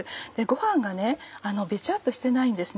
ごはんがベチャっとしてないんです。